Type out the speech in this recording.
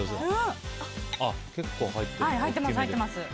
結構入ってるね。